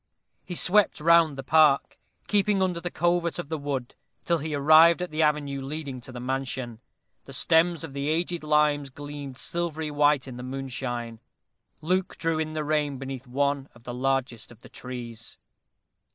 He swept round the park, keeping under the covert of the wood, till he arrived at the avenue leading to the mansion. The stems of the aged limes gleamed silvery white in the moonshine. Luke drew in the rein beneath one of the largest of the trees.